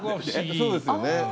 そうですよね。